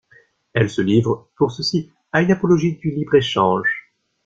Elle se livre, pour ceci, à une apologie du libre-échange.